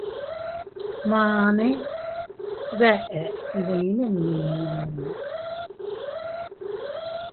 Mane, ¿deʼe iydinne nmiñu?.